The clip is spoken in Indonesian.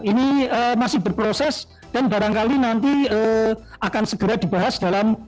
ini masih berproses dan barangkali nanti akan segera dibahas dalam